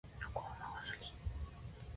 横浜が好き。